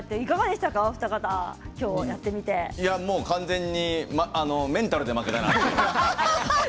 今日は完全にメンタルで負けたなと。